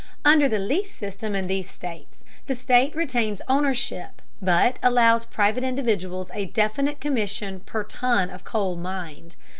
Under the lease system in these states, the state retains ownership, but allows private individuals a definite commission per ton of coal mined.